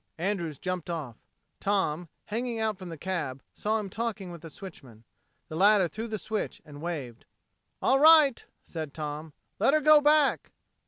Andrews jumped off. Tom, hanging out from the cab, saw him talking with the switchman. The latter threw the switch and waved. "All right," said Tom. "Let her go back."